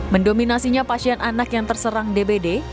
mendominasinya pasien anak yang terserang dbd